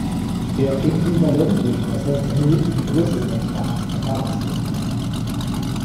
Der Äquivalentdurchmesser ist eine wichtige Größe in der mechanischen Verfahrenstechnik.